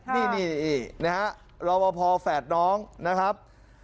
นี่นะฮะรอบพอแฝดน้องนะครับ